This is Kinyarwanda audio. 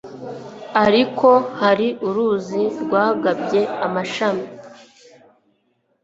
ariko hari uruzi rwagabye amashami